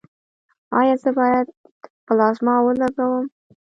ایا زه باید پلازما ولګوم؟